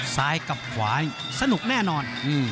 ซ้ายกับขวาสนุกแน่นอน